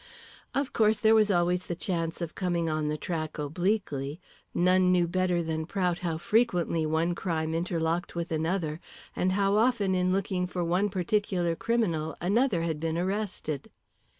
Of course, there was always the chance of coming on the track obliquely. None knew better than Prout how frequently one crime interlocked with another, and how often in looking for one particular criminal another had been arrested.